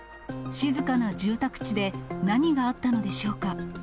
静かな住宅地で何があったのでしょうか。